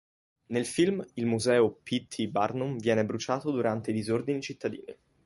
Nel film, il museo P. T. Barnum viene bruciato durante i disordini cittadini.